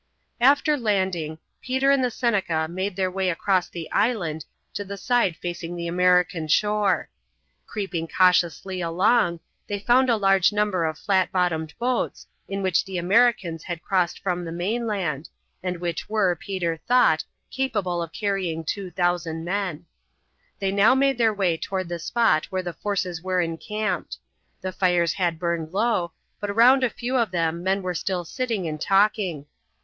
After landing, Peter and the Seneca made their way across the island to the side facing the American shore. Creeping cautiously along, they found a large number of flat bottomed boats, in which the Americans had crossed from the mainland, and which were, Peter thought, capable of carrying 2000 men. They now made their way toward the spot where the forces were encamped. The fires had burned low, but round a few of them men were still sitting and talking.